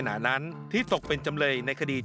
มันกลายเป็นแบบที่สุดแต่กลายเป็นแบบที่สุด